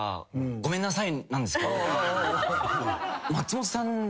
ごめんなさい。